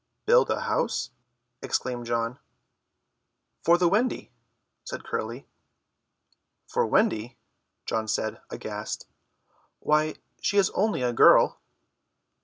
"Build a house?" exclaimed John. "For the Wendy," said Curly. "For Wendy?" John said, aghast. "Why, she is only a girl!"